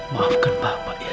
maafkan bapak ya